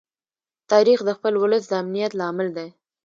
تاریخ د خپل ولس د امنیت لامل دی.